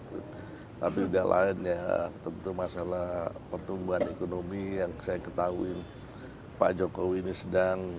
tapi udah lain ya tentu masalah pertumbuhan ekonomi yang saya ketahui pak jokowi ini sedang